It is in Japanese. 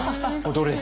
ドレス。